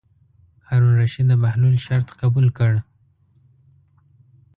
هارون الرشید د بهلول شرط قبول کړ.